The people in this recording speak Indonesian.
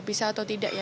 bisa atau tidak ya